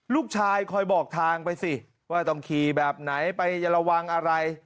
คอยบอกทางไปสิว่าต้องขี่แบบไหนไประวังอะไร